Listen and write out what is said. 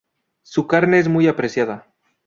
Su carne es muy apreciada